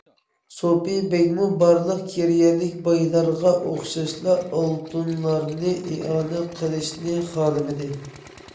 سوپى بەگمۇ بارلىق كېرىيەلىك بايلارغا ئوخشاشلا ئالتۇنلارنى ئىئانە قىلىشنى خالىمىدى.